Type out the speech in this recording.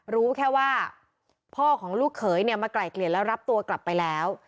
รู้แค่ว่าพ่อของลูกเขยเนี่ยมาไกล่เกลี่ยแล้วรับตัวกลับไปแล้ว